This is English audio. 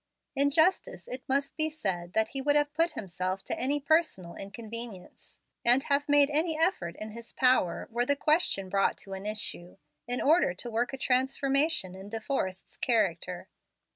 In justice it must be said that he would have put himself to any personal inconvenience, and have made any effort in his power, were the question brought to an issue, in order to work a transformation in De Forrest's character.